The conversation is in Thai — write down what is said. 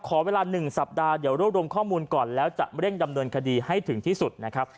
ขอเวลา๑สัปดาห์เดี๋ยวรวบรวมข้อมูลก่อนแล้วจะเร่งดำเนินคดีให้ถึงที่สุดนะครับ